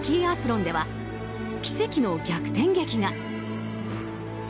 アスロンでは奇跡の逆転劇が。